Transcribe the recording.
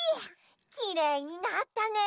きれいになったね！